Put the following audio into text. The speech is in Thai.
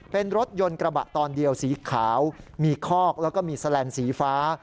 เป็นรถยนต์กระบะตอนเดียวสีขาวมีคอกแล้วก็มีแสลนด์สีฟ้า